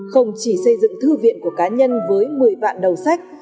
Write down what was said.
không chỉ xây dựng thư viện của cá nhân với một mươi vạn đầu sách